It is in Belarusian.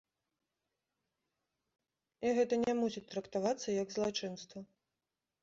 І гэта не мусіць трактавацца як злачынства.